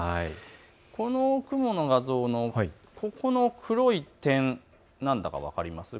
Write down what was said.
この雲の画像の黒い点、何だか分かりますか。